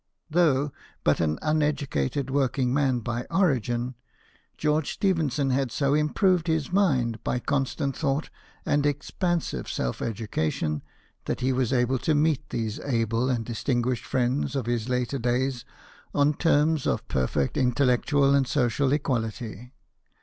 Though but an uneducated work ing man by origin, George Stephenson had so improved his mind by constant thought and expansive self education, that he was able to meet these able and distinguished friends of his later days on terms of perfect intellectual and social equality.